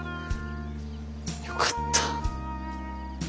よかった。